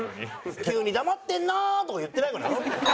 「急に黙ってんな！」とか言ってないかな？